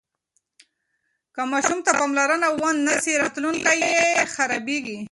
که ماشوم ته پاملرنه ونه سي راتلونکی یې خرابیږي.